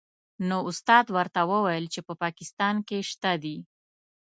نو استاد ورته وویل چې په پاکستان کې شته دې.